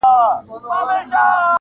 قاتلان او جاهلان یې سرداران دي-